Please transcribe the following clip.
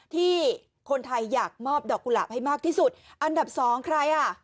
ที่คนไทยอยากมอบดอกกุหลาบให้มากที่สุดอันดับสองใครอ่ะ